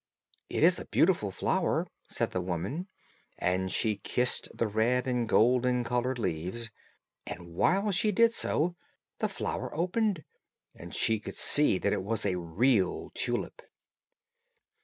"It is a beautiful flower," said the woman, and she kissed the red and golden colored leaves, and while she did so the flower opened, and she could see that it was a real tulip.